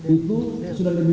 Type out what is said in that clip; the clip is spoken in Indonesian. itu sudah lebih besar